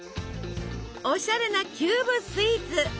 おしゃれなキューブスイーツ！